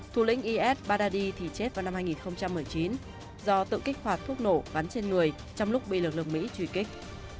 thủ lĩnh is badadi thì chết vào năm hai nghìn một mươi chín do tự kích hoạt thuốc nổ gắn trên người trong lúc bị lực lượng mỹ truy kích